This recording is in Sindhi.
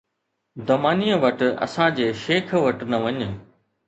”دمانيءَ وٽ اسان جي شيخ وٽ نه وڃ